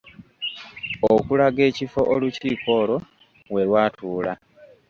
Okulaga ekifo olukiiko olwo we lwatuula.